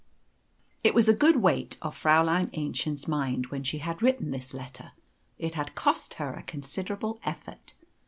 It was a good weight off Fräulein Aennchen's mind when she had written this letter; it had cost her a considerable effort.